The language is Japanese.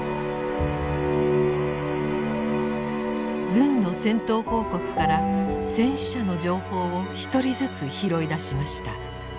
軍の戦闘報告から戦死者の情報を一人ずつ拾い出しました。